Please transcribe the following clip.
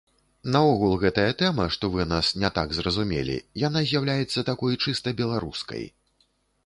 Наогул гэтая тэма, што вы нас не так зразумелі, яна з'яўляецца такой чыста беларускай.